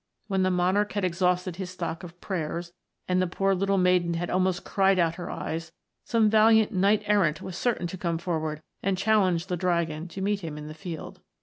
When the monarch had exhausted his stock of prayers, and the poor little maiden had almost cried out her eyes, some valiant knight errant was certain to come forward and challenge the dragon to meet him in the field.